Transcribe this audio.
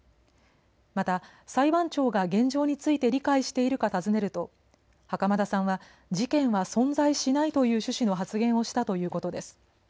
また、裁判長が現状について理解しているか尋ねると袴田さんは事件は存在しないという趣旨の発言をしたということです。